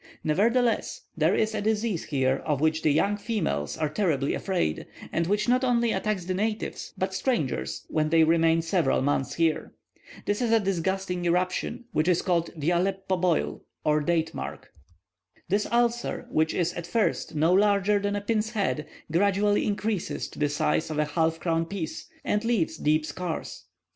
Nevertheless, there is a disease here of which the young females are terribly afraid, and which not only attacks the natives, but strangers, when they remain several months here. This is a disgusting eruption, which is called the Aleppo Boil, or Date mark. This ulcer, which is at first no larger than a pin's head, gradually increases to the size of a halfcrown piece, and leaves deep scars.